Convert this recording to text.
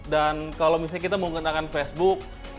dan kalau misalnya kita mau ngetahkan facebook